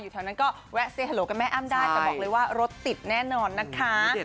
เชิญเชิญมาทานข้าวกัน